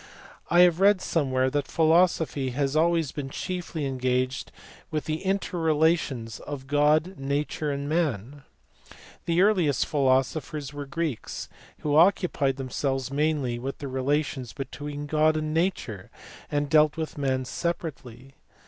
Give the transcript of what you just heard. I have read somewhere that philosophy has always been chiefly en gaged with the inter relations of God, Nature, and Man. The earliest philosophers were Greeks who occupied themselves mainly with the relations between God and Nature, and dealt with Man separately.